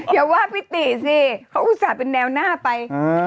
อย่าว่าพี่ติสิเขาอุตส่าห์เป็นแนวหน้าไป